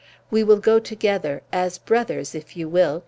We will go together as brothers, if you will!"